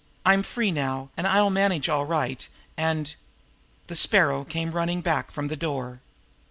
I'm free now, and I'll manage all right, and " The Sparrow came running back from the door.